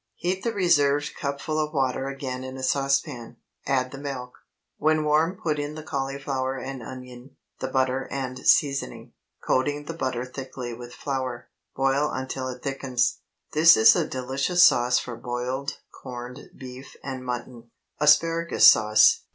Heat the reserved cupful of water again in a saucepan, add the milk; when warm put in the cauliflower and onion, the butter and seasoning—coating the butter thickly with flour; boil until it thickens. This is a delicious sauce for boiled corned beef and mutton. ASPARAGUS SAUCE.